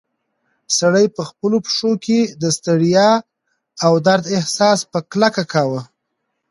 سړی په خپلو پښو کې د ستړیا او درد احساس په کلکه کاوه.